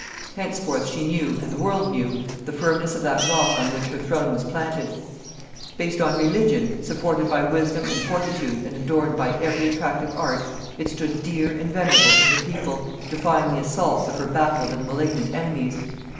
Henceforth she knew, and the world knew, the firmness of that rock on which her throne was planted; based on religion, supported by wisdom and fortitude and adorned by every attractive art, it stood dear and venerable to her people, defying the assaults of her baffled and malignant enemies.